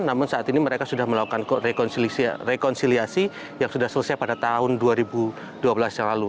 namun saat ini mereka sudah melakukan rekonsiliasi yang sudah selesai pada tahun dua ribu dua belas yang lalu